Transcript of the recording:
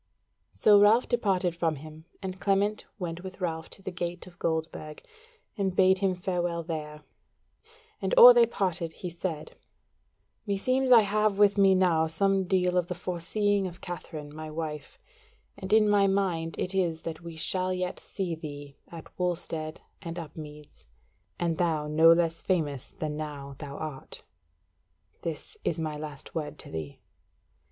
So Ralph departed from him, and Clement went with Ralph to the Gate of Goldburg, and bade him farewell there; and or they parted he said: "Meseems I have with me now some deal of the foreseeing of Katherine my wife, and in my mind it is that we shall yet see thee at Wulstead and Upmeads, and thou no less famous than now thou art. This is my last word to thee."